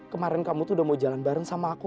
kemarin kamu tuh udah mau jalan bareng sama aku